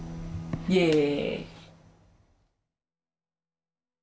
イエーイ！